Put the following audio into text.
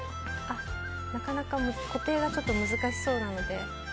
なかなか固定が難しそうなので。